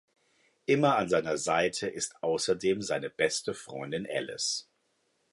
Immer an seiner Seite ist außerdem seine beste Freundin Ellis.